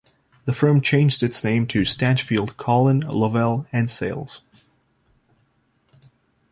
The firm changed its name to Stanchfield, Collin, Lovell and Sayles.